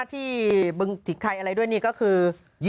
บึงจิกไข่อะไรด้วยนี่ก็คือ